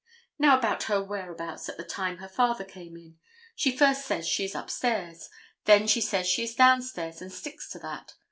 Now about her whereabouts at the time her father came in. She first says she is upstairs. Then she says she is down stairs, and sticks to that.